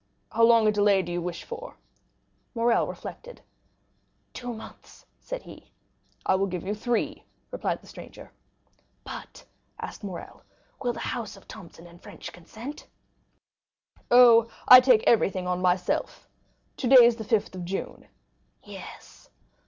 "How long a delay do you wish for?" Morrel reflected. "Two months," said he. "I will give you three," replied the stranger. "But," asked Morrel, "will the house of Thomson & French consent?" "Oh, I take everything on myself. Today is the 5th of June." "Yes."